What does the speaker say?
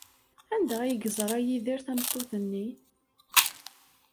Anda ay yeẓra Yidir tameṭṭut-nni?